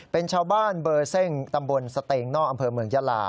เป็นชาวบ้านเบอร์เซ่งตำบลสเตงนอกอำเภอเมืองยาลา